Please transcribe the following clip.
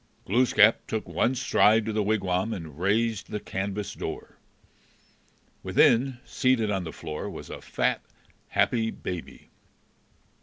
Glooskap took one stride to the wigwam and raised the canvas door. Within, seated on the floor, was a fat, happy baby.